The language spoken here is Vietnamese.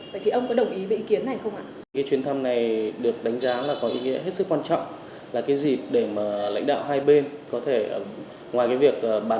vậy thì ông có đồng ý với ý kiến này không ạ